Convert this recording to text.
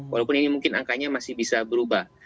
walaupun ini mungkin angkanya masih bisa berubah